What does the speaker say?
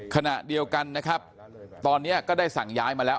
ขณะเดียวกันนะครับตอนนี้ก็ได้สั่งย้ายมาแล้ว